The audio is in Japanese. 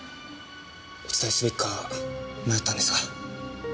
お伝えすべきか迷ったんですが。